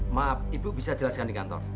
maaf ibu bisa jelaskan di kantor